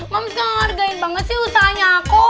mams gak ngargain banget sih usahanya aku